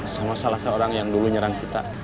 sama salah seorang yang dulu nyerang kita